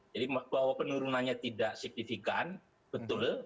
jadi bahwa penurunannya tidak signifikan betul